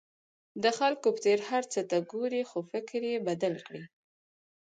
د خلکو په څېر هر څه ته ګورئ خو فکر یې بدل کړئ.